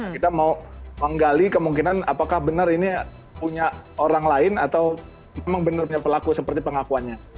kita mau menggali kemungkinan apakah benar ini punya orang lain atau memang benarnya pelaku seperti pengakuannya